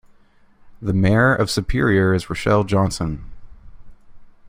The mayor of Superior is Rochelle Johnson.